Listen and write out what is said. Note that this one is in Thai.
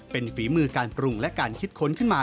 เป็นฝีมือการปรุงและการคิดค้นขึ้นมา